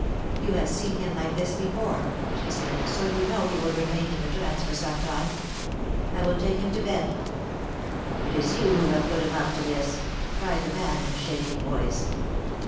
"You have seen him like this before," she said, "so you know he will remain in the trance for some time. I will take him to bed." "It is you who have put him up to this," cried the man in a shaking voice.